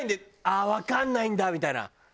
「あっわかんないんだ」みたいな。